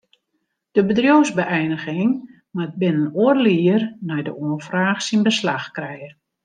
De bedriuwsbeëiniging moat binnen oardel jier nei de oanfraach syn beslach krije.